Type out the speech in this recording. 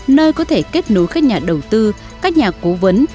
nơi có thể kết nối các nhà đầu tư các nhà cố vấn